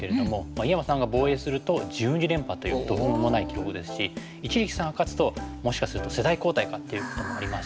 井山さんが防衛すると１２連覇という途方もない記録ですし一力さんが勝つともしかすると世代交代かっていうこともありますね。